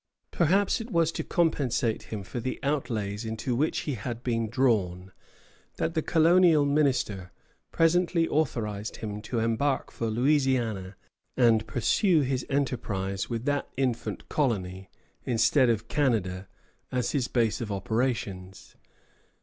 Perhaps it was to compensate him for the outlays into which he had been drawn that the colonial minister presently authorized him to embark for Louisiana and pursue his enterprise with that infant colony, instead of Canada, as his base of operations.